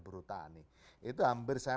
buru tani itu hampir saya